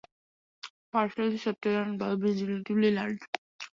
The partially subterranean bulb is relatively large.